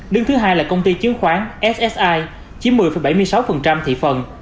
đứng thứ hai là công ty chính khoán ssi chiếm một mươi bảy mươi sáu thị phần